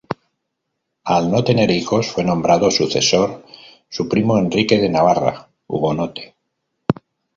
Al no tener hijos, fue nombrado sucesor su primo Enrique de Navarra, hugonote.